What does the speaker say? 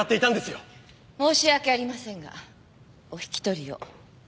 申し訳ありませんがお引き取りを。